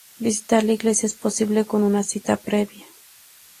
Visitar la iglesia es posible con una cita previa.